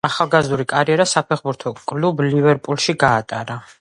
ახალგაზრდული კარიერა საფეხბურთო კლუბ „ლივერპულში“ გაატარა.